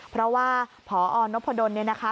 เพราะว่าพอนพดนนะคะ